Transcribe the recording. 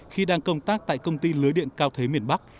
khi đang công tác tại công ty lưới điện cao thế miền bắc